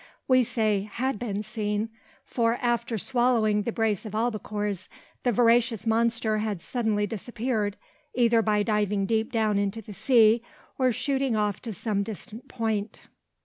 We say had been seen: for, after swallowing the brace of albacores, the voracious monster had suddenly disappeared, either by diving deep down into the sea, or shooting off to some distant point.